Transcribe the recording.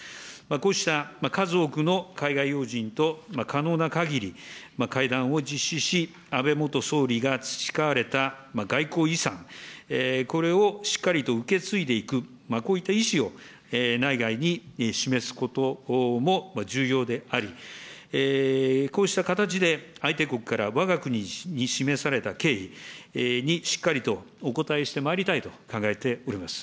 こうした数多くの海外要人と可能なかぎり会談を実施し、安倍元総理が培われた外交遺産、これをしっかりと受け継いでいく、こういった意思を内外に示すことも重要であり、こうした形で相手国からわが国に示された敬意にしっかりとお答えしてまいりたいと考えております。